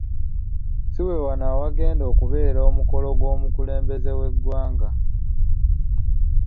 Si wewano awagenda okubeera omukolo gw'omukulembeze w'eggwanga.